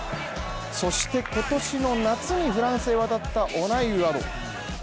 そして今年の夏にフランスへ渡ったオナイウ阿道。